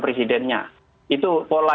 presidennya itu pola